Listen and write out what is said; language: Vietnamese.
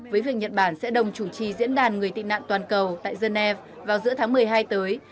với việc nhật bản sẽ đồng chủ trì diễn đàn người tị nạn toàn cầu tại geneva vào giữa tháng một mươi hai tới